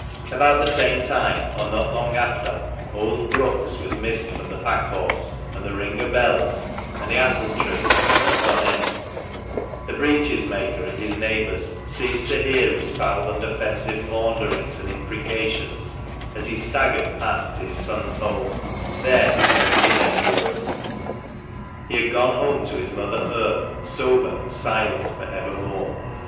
About the same time, or not long after, old Brookes was missed from the Packhorse, and the Ring o' Bells, and the Apple Tree, and the Sun Inn — the breeches maker and his neighbours ceased to hear his foul and offensive maunderings and imprecations as he staggered past to his son's home, there to test his endurance. He had gone home to his mother earth, sober and silent for evermore.